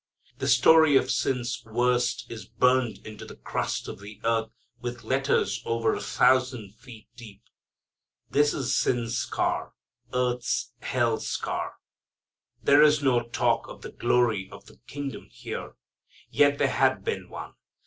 The story of sin's worst is burned into the crust of the earth with letters over a thousand feet deep. This is sin's scar: earth's hell scar. There is no talk of the glory of the kingdom here. Yet there had been once.